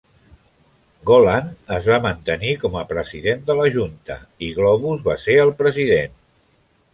Golan es va mantenir com a president de la Junta i Globus va ser el president.